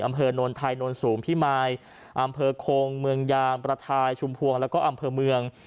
อำเภอนนไทยนวลสูงพิมายอำเภอโคงเมืองยางประทายชุมพวงแล้วก็อำเภอเมือง